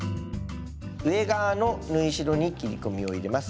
上側の縫い代に切り込みを入れます。